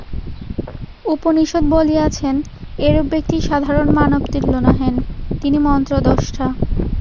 উপনিষদ বলিয়াছেন, এরূপ ব্যক্তি সাধারণ মানবতুল্য নহেন, তিনি মন্ত্রদ্রষ্টা।